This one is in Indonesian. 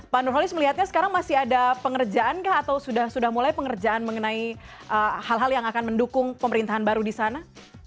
pak nurholis melihatnya sekarang masih ada pengerjaan kah atau sudah mulai pengerjaan mengenai hal hal yang akan mendukung pemerintahan baru di sana